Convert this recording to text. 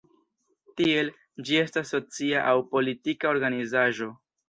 Tiel, ĝi estas socia aŭ politika organizaĵo.